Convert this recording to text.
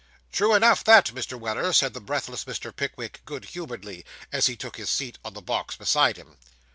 True enough, that, Mr. Weller,' said the breathless Mr. Pickwick good humouredly, as he took his seat on the box beside him.